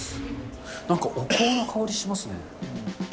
なんかお香の香りしますね。